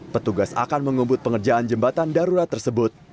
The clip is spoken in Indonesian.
petugas akan mengumbut pengerjaan jembatan darurat tersebut